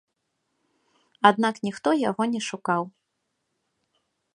Аднак ніхто яго не шукаў.